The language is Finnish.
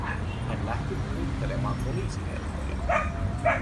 Hän lähti puhuttelemaan poliisiherroja.